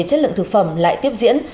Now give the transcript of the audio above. chất lượng thực phẩm lại tiếp diễn